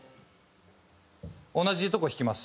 同じとこ弾きます。